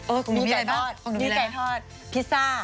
เออคุณมีไก่ทอดนะครับคุณมีไก่ทอดนะครับคุณมีไก่ทอด